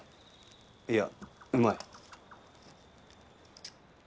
いやうまい。